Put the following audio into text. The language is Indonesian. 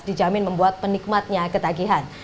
dijamin membuat penikmatnya ketagihan